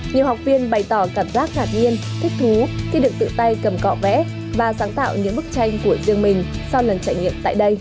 nhiều học viên bày tỏ cảm giác ngạc nhiên thích thú khi được tự tay cầm cọ vẽ và sáng tạo những bức tranh của riêng mình sau lần trải nghiệm tại đây